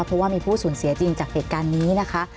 เพราะว่ามีผู้สูญเสียจริงจากเหตุการณ์นี้นะคะ